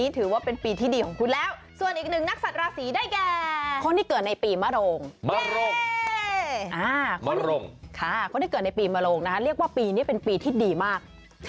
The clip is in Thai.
ถือว่าเป็นเรื่องที่ดีมาก